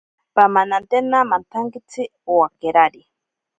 Pamanantena mantsakintsi owakerari.